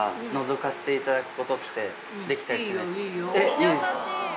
いいですか！